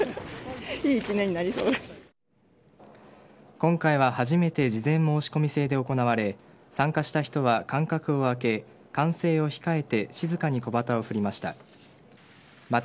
今回は初めて事前申し込み制で行われ参加した人は間隔を空け歓声を控えて静かに小旗を振りました。